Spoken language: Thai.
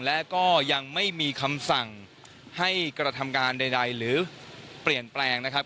และก็ยังไม่มีคำสั่งให้กระทำการใดหรือเปลี่ยนแปลงนะครับ